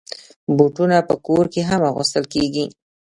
بوټونه په کور کې هم اغوستل کېږي.